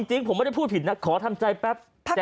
จริงผมไม่ได้พูดผิดนะขอทำใจแป๊บ